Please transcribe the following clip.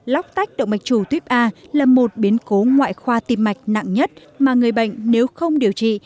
lóc tách động mạch chủ tuyếp a là một biến cố ngoại khoa tim mạch nặng nhất mà người bệnh nếu không điều trị